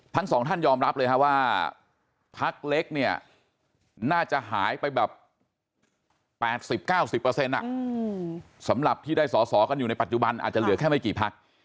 ทั้งสองท่านยอมรับเลยว่าพักเล็กเนี่ยน่าจะหายไปแบบ๘๐๙๐สำหรับที่ได้สอสอกันอยู่ในปัจจุบันอาจจะเหลือแค่ไม่กี่พัก